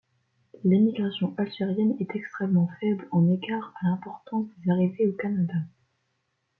L'émigration algérienne est extrêmement faible en égard à l'importance des arrivées au Canada.